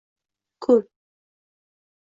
Kun